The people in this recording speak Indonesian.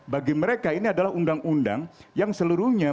bagi mereka ini adalah undang undang yang seluruhnya